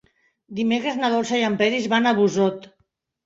Dimecres na Dolça i en Peris van a Busot.